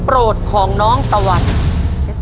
เพื่อชิงทุนต่อชีวิตสูงสุด๑ล้านบาท